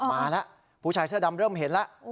มาแล้วผู้ชายเสื้อดำเริ่มเห็นแล้ว